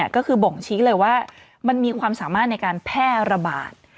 ก็คือบ่งชี้เลยว่ามันมีความสามารถในการแพร่ระบาด